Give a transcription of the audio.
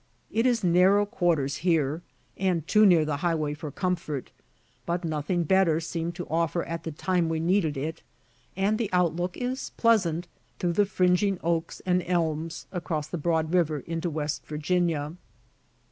It is narrow quarters here, and too near the highway for comfort, but nothing better seemed to offer at the time we needed it; and the outlook is pleasant, through the fringing oaks and elms, across the broad river into West Virginia.